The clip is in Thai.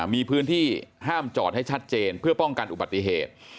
มีพื้นที่ห้ามจอดให้ชัดเจนเพื่อป้องกันอุบัติเหตุ